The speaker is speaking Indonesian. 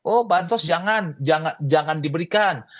oh bansos jangan diberikan